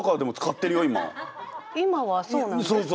今はそうなんですか？